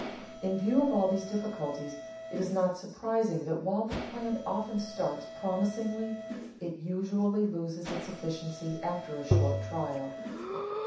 In view of all these difficulties it is not surprising that while the plan often starts promisingly, it usually loses its efficiency after a short trial.